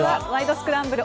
スクランブル」